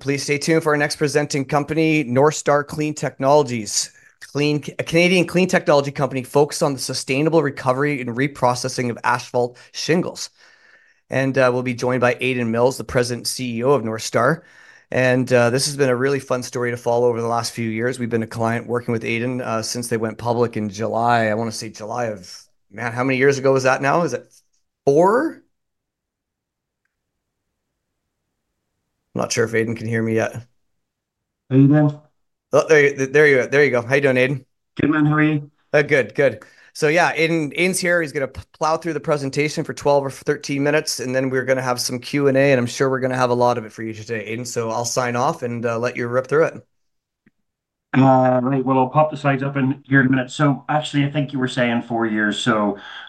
Please stay tuned for our next presenting company, Northstar Clean Technologies, a Canadian clean technology company focused on the sustainable recovery and reprocessing of asphalt shingles. We'll be joined by Aidan Mills, the present CEO of Northstar. This has been a really fun story to follow over the last few years. We've been a client working with Aidan since they went public in July. I want to say July of, man, how many years ago was that now? Is it four? I'm not sure if Aidan can hear me yet. Are you there? There you go. How are you doing, Aidan? Good, man. How are you? Good, good. Yeah, Aidan's here. He's going to plow through the presentation for 12 or 13 minutes, and then we're going to have some Q&A. I'm sure we're going to have a lot of it for you today, Aidan. I'll sign off and let you rip through it. Right. I'll pop the slides up here in a minute. I think you were saying four years.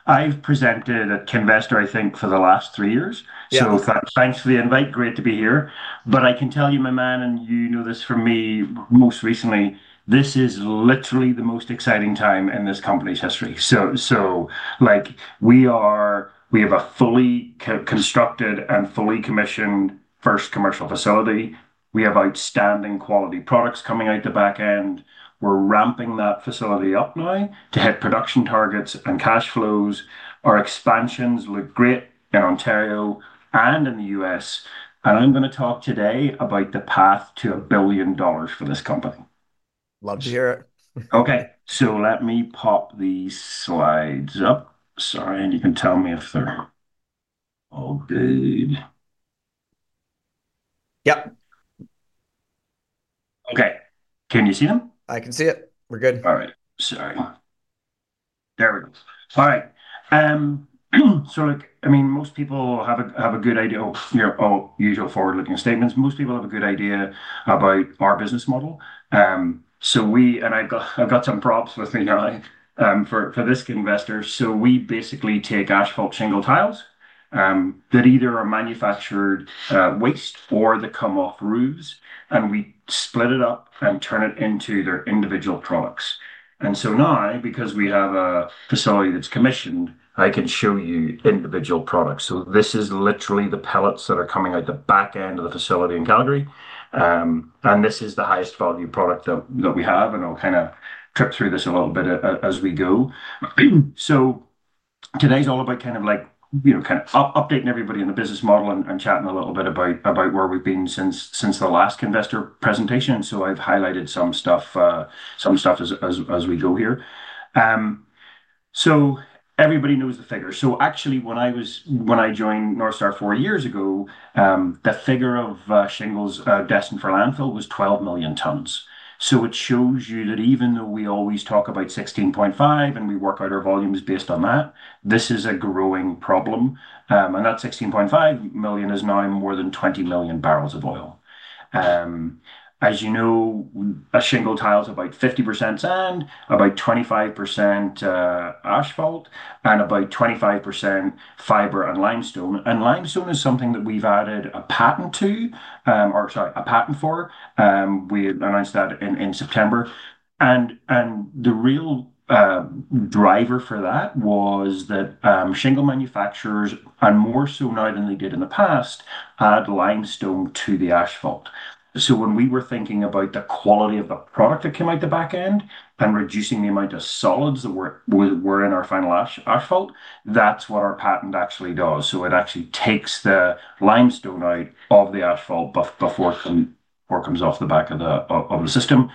I've presented at Kinvestor, I think, for the last three years. Thanks for the invite. Great to be here. I can tell you, my man, and you know this from me most recently, this is literally the most exciting time in this company's history. We have a fully constructed and fully commissioned first commercial facility. We have outstanding quality products coming out the back end. We're ramping that facility up now to hit production targets and cash flows. Our expansions look great in Ontario and in the U.S. I'm going to talk today about the path to a billion dollars for this company. Love to hear it. Okay, let me pop these slides up. Sorry. You can tell me if they're all good. Yep. Okay, can you see them? I can see it. We're good. All right. Sorry. There we go. All right. So look, I mean, most people have a good idea. Oh, you know, oh, usual forward-looking statements. Most people have a good idea about our business model. We, and I've got some props with me now for this investor. We basically take asphalt shingle tiles that either are manufactured waste or that come off roofs, and we split it up and turn it into their individual products. Now, because we have a facility that's commissioned, I can show you individual products. This is literally the pellets that are coming out the back end of the facility in Calgary, and this is the highest value product that we have. I'll kind of trip through this a little bit as we go. Today's all about kind of like, you know, kind of updating everybody in the business model and chatting a little bit about where we've been since the last investor presentation. I've highlighted some stuff as we go here. Everybody knows the figure. Actually, when I joined Northstar four years ago, the figure of shingles destined for landfill was 12 million tons. It shows you that even though we always talk about 16.5 and we work out our volumes based on that, this is a growing problem. That 16.5 million is now more than 20 million barrels of oil. As you know, a shingle tile is about 50% sand, about 25% asphalt, and about 25% fiber and limestone. Limestone is something that we've added a patent for. We announced that in September. The real driver for that was that shingle manufacturers, and more so now than they did in the past, add limestone to the asphalt. When we were thinking about the quality of the product that came out the back end and reducing the amount of solids that were in our final asphalt, that's what our patent actually does. It actually takes the limestone out of the asphalt before it comes off the back of the system.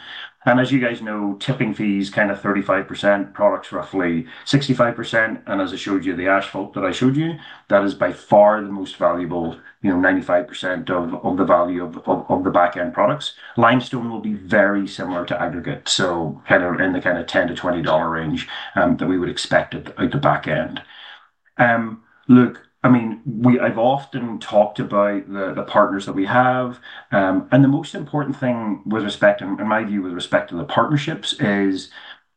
As you guys know, tipping fees, kind of 35%, products roughly 65%. As I showed you, the asphalt that I showed you, that is by far the most valuable, you know, 95% of the value of the back-end products. Limestone will be very similar to aggregate, so kind of in the $10-$20 range that we would expect at the back end. I mean, I've often talked about the partners that we have. The most important thing with respect to, in my view, with respect to the partnerships is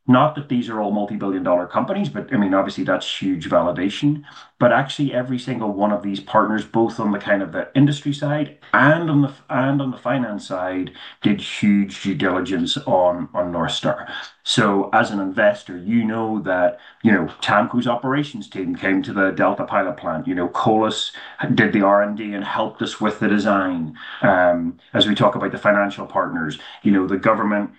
not that these are all multi-billion dollar companies. Obviously, that's huge validation. Actually, every single one of these partners, both on the industry side and on the finance side, did huge due diligence on Northstar. As an investor, you know that TAMKO's operations team came to the Delta pilot plant. Colas did the R&D and helped us with the design. As we talk about the financial partners, the government,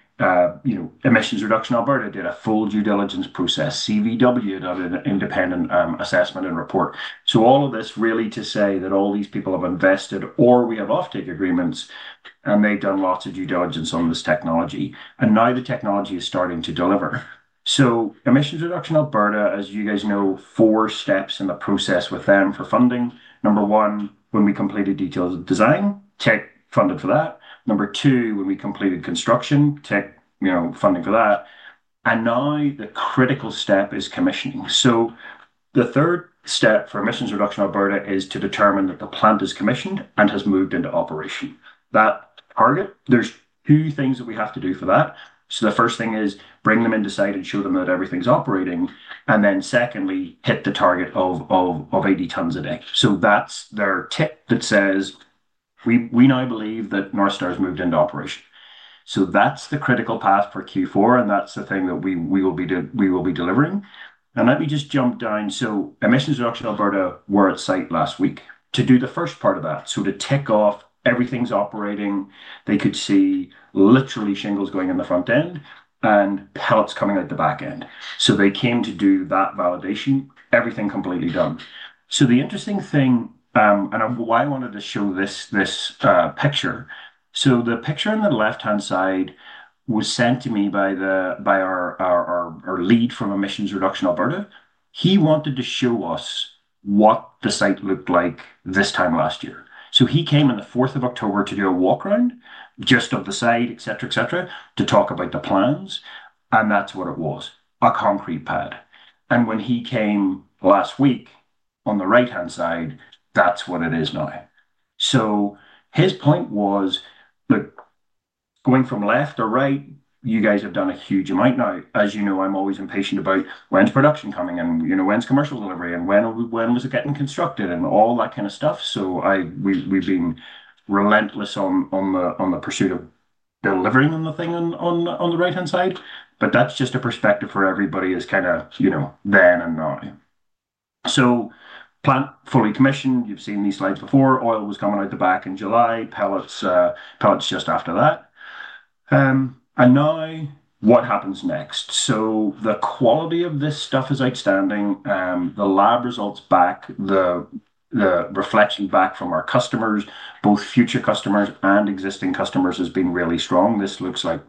Emissions Reduction Alberta did a full due diligence process. CVW did an independent assessment and report. All of this really to say that all these people have invested or we have off-take agreements, and they've done lots of due diligence on this technology. Now the technology is starting to deliver. Emissions Reduction Alberta, as you guys know, four steps in the process with them for funding. Number one, when we completed details of design, tech funded for that. Number two, when we completed construction, tech, funding for that. Now the critical step is commissioning. The third step for Emissions Reduction Alberta is to determine that the plant is commissioned and has moved into operation. That target, there's two things that we have to do for that. The first thing is bring them into site and show them that everything's operating. Secondly, hit the target of 80 tons a day. That's their tip that says, "We now believe that Northstar has moved into operation." That's the critical path for Q4, and that's the thing that we will be doing, we will be delivering. Let me just jump down. Emissions Reduction Alberta were at site last week to do the first part of that, to tick off, everything's operating. They could see literally shingles going in the front end and pellets coming out the back end. They came to do that validation, everything completely done. The interesting thing, and why I wanted to show this picture, the picture on the left-hand side was sent to me by our lead from Emissions Reduction Alberta. He wanted to show us what the site looked like this time last year. He came on the 4th of October to do a walk around, just of the site, etc., to talk about the plans. That's what it was, a concrete pad. When he came last week on the right-hand side, that's what it is now. His point was, "Look, going from left or right, you guys have done a huge amount now." As you know, I'm always impatient about when's production coming and you know when's commercial delivery and when was it getting constructed and all that kind of stuff. We've been relentless on the pursuit of delivering on the thing on the right-hand side. That's just a perspective for everybody as kind of, you know, then and now. Plant fully commissioned. You've seen these slides before. Oil was coming out the back in July. Pellets just after that. Now what happens next? The quality of this stuff is outstanding. The lab results back, the reflection back from our customers, both future customers and existing customers, has been really strong. This looks like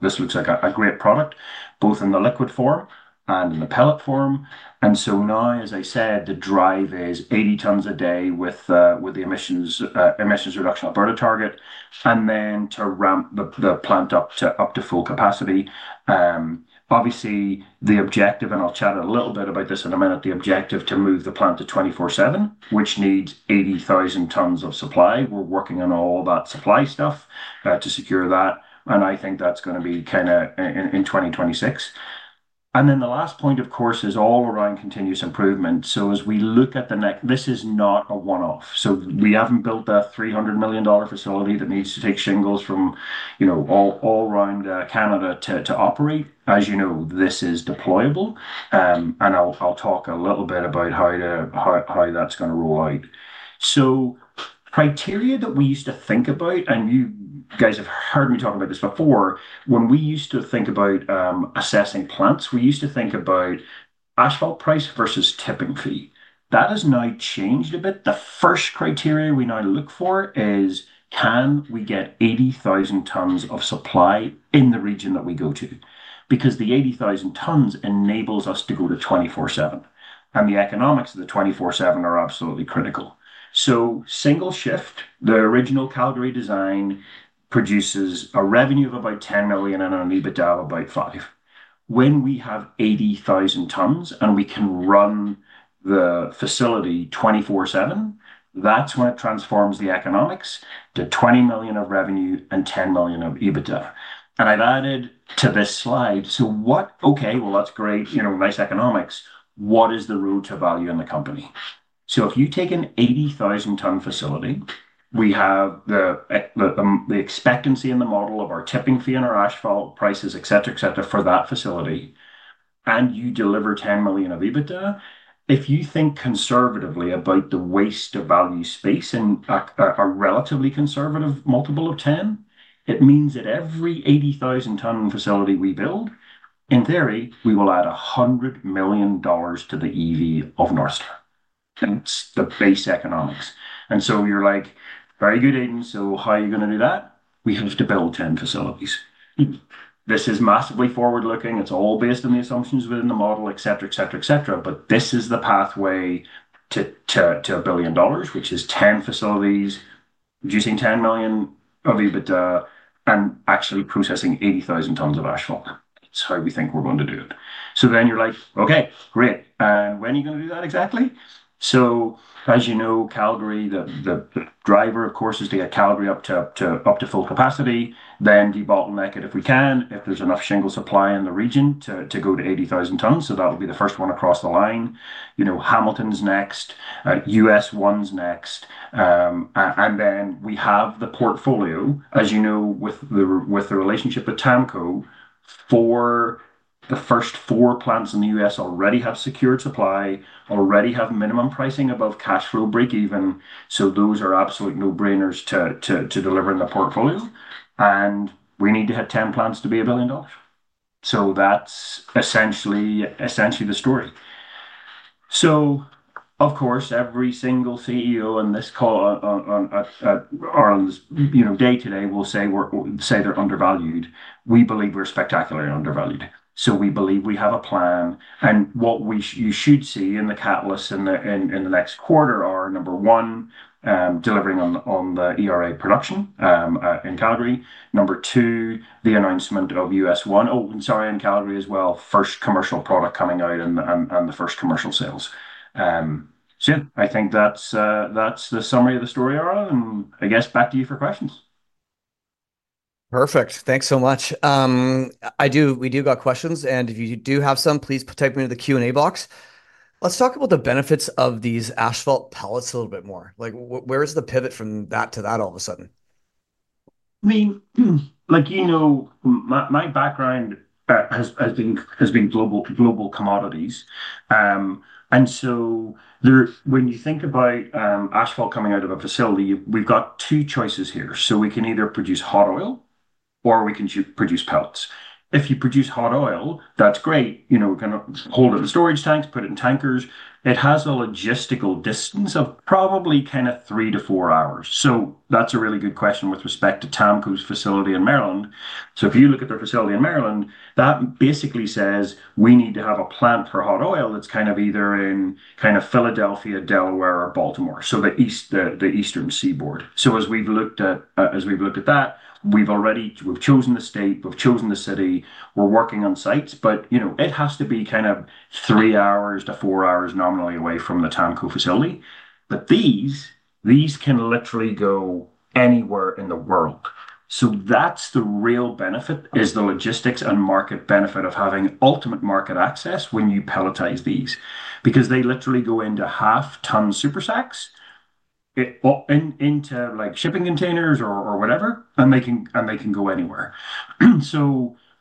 a great product, both in the liquid form and in the pellet form. As I said, the drive is 80 tons a day with the Emissions Reduction Alberta target, and then to ramp the plant up to full capacity. Obviously, the objective, and I'll chat a little bit about this in a minute, the objective to move the plant to 24/7, which needs 80,000 tons of supply. We're working on all that supply stuff to secure that. I think that's going to be kind of in 2026. The last point, of course, is all around continuous improvement. As we look at the next, this is not a one-off. We haven't built a $300 million facility that needs to take shingles from all around Canada to operate. As you know, this is deployable. I'll talk a little bit about how that's going to roll out. The criteria that we used to think about, and you guys have heard me talk about this before, when we used to think about assessing plants, we used to think about asphalt price versus tipping fee. That has now changed a bit. The first criteria we now look for is, can we get 80,000 tons of supply in the region that we go to? The 80,000 tons enables us to go to 24/7. The economics of the 24/7 are absolutely critical. Single shift, the original Calgary design produces a revenue of about $10 million and an EBITDA of about $5 million. When we have 80,000 tons and we can run the facility 24/7, that's when it transforms the economics to $20 million of revenue and $10 million of EBITDA. I've added to this slide, so what, okay, that's great, nice economics. What is the road to value in the company? If you take an 80,000 ton facility, we have the expectancy in the model of our tipping fee and our asphalt prices, etc., for that facility, and you deliver $10 million of EBITDA. If you think conservatively about the waste of value space in a relatively conservative multiple of 10, it means that every 80,000 ton facility we build, in theory, we will add $100 million to the EV of Northstar. That's the base economics. You're like, "Very good, Aidan. How are you going to do that?" We have to build 10 facilities. This is massively forward-looking. It's all based on the assumptions within the model, etc. This is the pathway to a billion dollars, which is 10 facilities, producing $10 million of EBITDA, and actually processing 80,000 tons of asphalt. That's how we think we're going to do it. You're like, "Okay, great. When are you going to do that exactly?" As you know, Calgary, the driver, of course, is to get Calgary up to full capacity, then debottleneck it if we can, if there's enough shingle supply in the region to go to 80,000 tons. That'll be the first one across the line. Hamilton's next, U.S. One's next. We have the portfolio, as you know, with the relationship with TAMKO, the first four plants in the U.S. already have secured supply, already have minimum pricing above cash flow breakeven. Those are absolute no-brainers to deliver in the portfolio. We need to hit 10 plants to be a billion dollars. That's essentially the story. Every single CEO in this call at our own day-to-day will say they're undervalued. We believe we're spectacularly undervalued. We believe we have a plan. What you should see in the catalyst in the next quarter are, number one, delivering on the ERA production in Calgary. Number two, the announcement of U.S. One. Oh, and sorry, in Calgary as well, first commercial product coming out and the first commercial sales. I think that's the summary of the story, Aaron. I guess back to you for questions. Perfect. Thanks so much. We do have questions. If you do have some, please type them into the Q&A box. Let's talk about the benefits of these asphalt pellets a little bit more. Where's the pivot from that to that all of a sudden? My background has been global commodities. When you think about asphalt coming out of a facility, we've got two choices here. We can either produce hot oil or we can produce pellets. If you produce hot oil, that's great. We're going to hold it in storage tanks, put it in tankers. It has a logistical distance of probably three to four hours. That's a really good question with respect to TAMKO facility in Maryland. If you look at their facility in Maryland, that basically says we need to have a plant for hot oil that's either in Philadelphia, Delaware, or Baltimore, the eastern seaboard. As we've looked at that, we've already chosen the state, we've chosen the city, we're working on sites, but it has to be three hours to four hours nominally away from the TAMKO facility. These can literally go anywhere in the world. The real benefit is the logistics and market benefit of having ultimate market access when you pelletize these, because they literally go into half-ton supersacks into shipping containers or whatever, and they can go anywhere.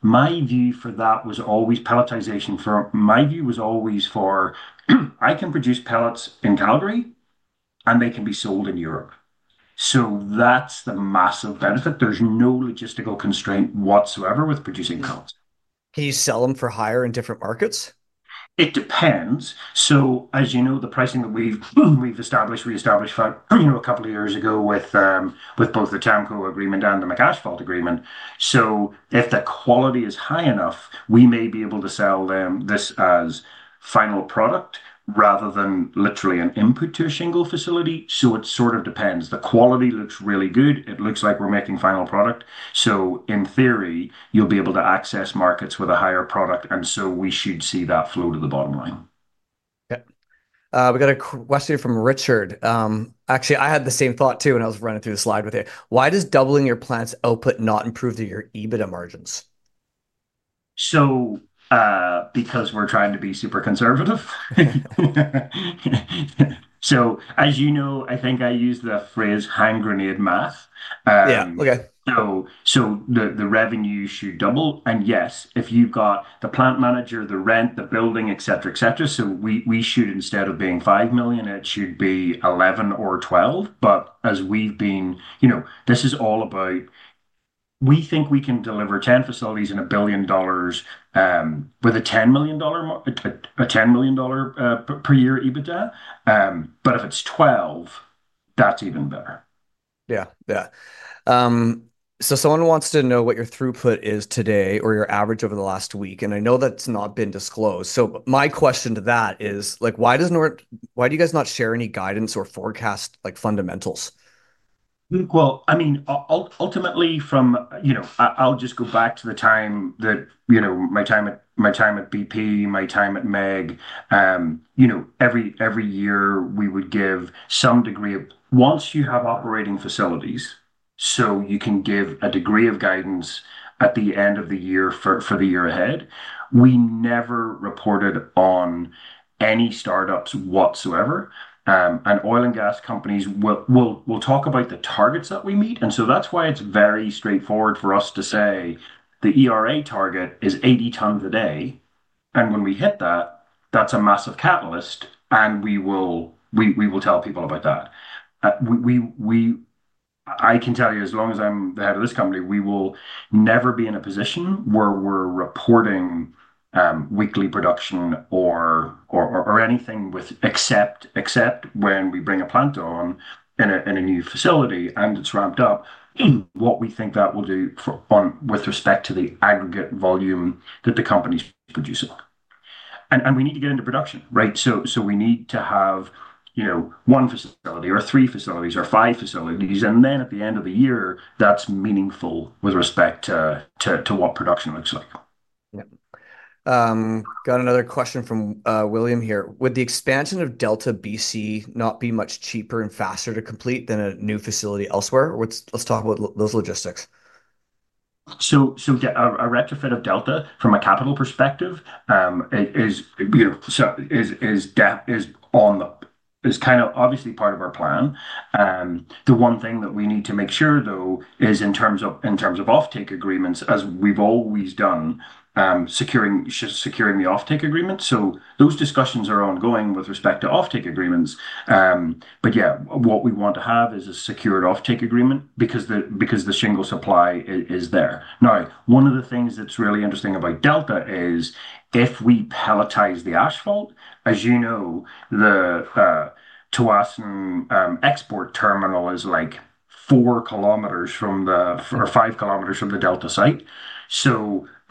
My view for that was always pelletization. My view was always for, I can produce pellets in Calgary, and they can be sold in Europe. That's the massive benefit. There's no logistical constraint whatsoever with producing pellets. Can you sell them for higher in different markets? It depends. As you know, the pricing that we've established, we established about a couple of years ago with both the TAMKO agreement and the McAsphalt agreement. If the quality is high enough, we may be able to sell them this as final product rather than literally an input to a shingle facility. It depends. The quality looks really good. It looks like we're making final product. In theory, you'll be able to access markets with a higher product, and we should see that flow to the bottom line. Yeah, we got a question from Richard. Actually, I had the same thought too, and I was running through the slide with you. Why does doubling your plant's output not improve your EBITDA margins? Because we're trying to be super conservative. As you know, I think I use the phrase Heimgrenian math. Yeah, okay. The revenue should double. If you've got the plant manager, the rent, the building, etc., etc., we should, instead of being $5 million, it should be $11 or $12 million. As we've been, you know, this is all about, we think we can deliver 10 facilities in a billion dollars with a $10 million per year EBITDA. If it's $12 million, that's even better. Yeah. Someone wants to know what your throughput is today or your average over the last week. I know that's not been disclosed. My question to that is, why does North not share any guidance or forecast like fundamentals? Ultimately, from, you know, I'll just go back to the time that, you know, my time at BP, my time at Meg, every year we would give some degree of, once you have operating facilities, you can give a degree of guidance at the end of the year for the year ahead. We never reported on any startups whatsoever. Oil and gas companies will talk about the targets that we meet. That's why it's very straightforward for us to say the ERA target is 80 tons a day. When we hit that, that's a massive catalyst, and we will tell people about that. I can tell you, as long as I'm the head of this company, we will never be in a position where we're reporting weekly production or anything except when we bring a plant on in a new facility and it's ramped up, what we think that will do with respect to the aggregate volume that the company's producing. We need to get into production, right? We need to have, you know, one facility or three facilities or five facilities, and then at the end of the year, that's meaningful with respect to what production looks like. Yeah. Got another question from William here. Would the expansion of Delta, BC not be much cheaper and faster to complete than a new facility elsewhere? Let's talk about those logistics. A retrofit of Delta from a capital perspective is obviously part of our plan. The one thing that we need to make sure, though, is in terms of off-take agreements, as we've always done, securing the off-take agreements. Those discussions are ongoing with respect to off-take agreements. What we want to have is a secured off-take agreement because the shingle supply is there. One of the things that's really interesting about Delta is if we pelletize the asphalt, as you know, the Tsawwassen export terminal is like four kilometers or five kilometers from the Delta site.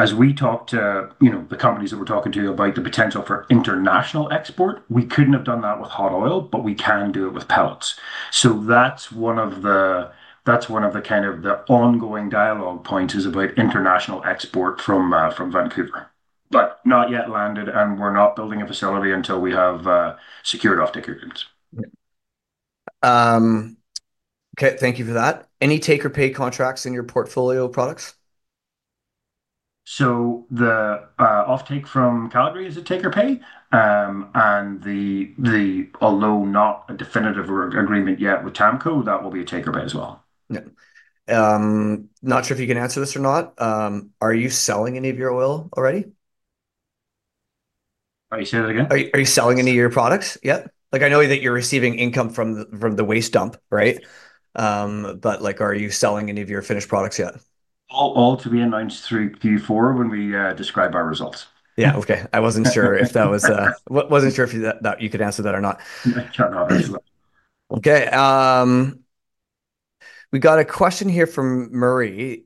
As we talked to the companies that we're talking to about the potential for international export, we couldn't have done that with hot oil, but we can do it with pellets. That's one of the ongoing dialogue points, about international export from Vancouver. Not yet landed, and we're not building a facility until we have secured off-take agreements. Okay. Thank you for that. Any taker-pay contracts in your portfolio products? The off-take from Calgary is a taker-pay, and although not a definitive agreement yet with TAMKO, that will be a taker-pay as well. Yeah, not sure if you can answer this or not. Are you selling any of your oil already? Are you saying that again? Are you selling any of your products yet? I know that you're receiving income from the waste dump, right? Are you selling any of your finished products yet? All to be announced through Q4 when we describe our results. Okay. I wasn't sure if you could answer that or not. I cannot answer that. Okay. We got a question here from Murray.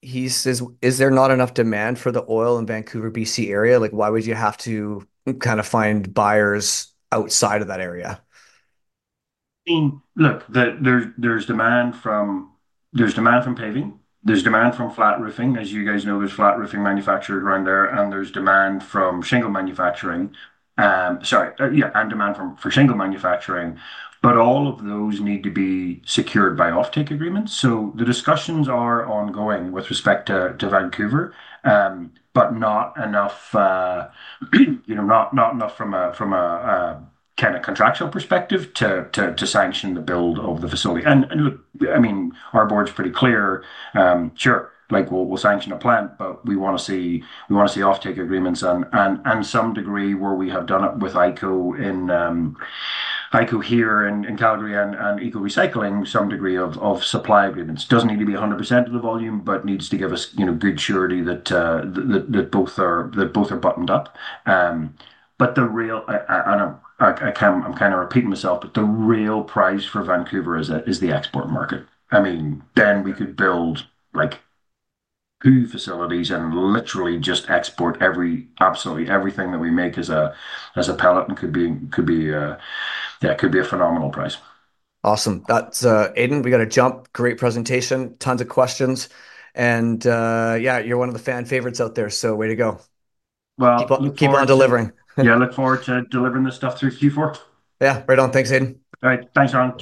He says, is there not enough demand for the oil in Vancouver, BC area? Like, why would you have to kind of find buyers outside of that area? I mean, look, there's demand from paving. There's demand from flat roofing. As you guys know, there's flat roofing manufacturers around there, and there's demand from shingle manufacturing. Sorry. Yeah. And demand for shingle manufacturing. All of those need to be secured by off-take agreements. The discussions are ongoing with respect to Vancouver, but not enough, you know, not enough from a kind of contractual perspective to sanction the build of the facility. Our board's pretty clear. Sure, we'll sanction a plant, but we want to see off-take agreements and some degree where we have done it with IKO here in Calgary and EcoRecycling, some degree of supply agreements. It doesn't need to be 100% of the volume, but needs to give us, you know, good surety that both are buttoned up. The real, and I'm kind of repeating myself, but the real price for Vancouver is the export market. I mean, then we could build like two facilities and literally just export absolutely everything that we make as a pellet and could be, could be a, yeah, could be a phenomenal price. Awesome. That's Aidan. We got to jump. Great presentation. Tons of questions. Yeah, you're one of the fan favorites out there. Way to go. Looking forward to delivering. Keep on delivering. Yeah, look forward to delivering this stuff through Q4. Yeah, right on. Thanks, Aidan. All right. Thanks, Aaron.